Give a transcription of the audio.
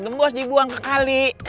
ban gembos dibuang kekali